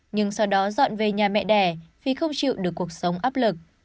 nhưng sau đó dọn về nhà mẹ đẻ vì không chịu được cuộc sống áp lực